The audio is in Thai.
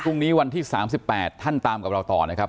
พรุ่งนี้วันที่๓๘ท่านตามกับเราต่อนะครับ